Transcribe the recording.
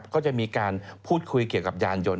ก็จะมีการพูดคุยเกี่ยวกับยานยนต